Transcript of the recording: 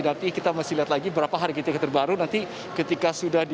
nanti kita masih lihat lagi berapa harga tiket terbaru nanti ketika sudah di